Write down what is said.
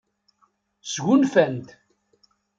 Sgunfant.